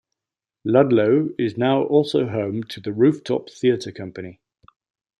Ludlow is now also home to the Rooftop Theatre Company.